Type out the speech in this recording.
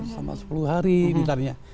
sama sepuluh hari misalnya